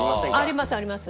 ありますあります。